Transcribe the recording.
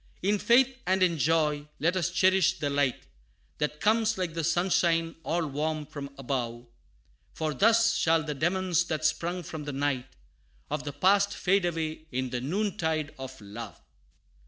In faith and in joy, let us cherish the light, That comes like the sunshine all warm from above, For thus shall the Demons that sprung from the night Of the Past fade away in the noontide of love.